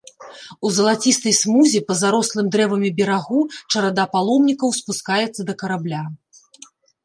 У залацістай смузе па зарослым дрэвамі берагу чарада паломнікаў спускаецца да карабля.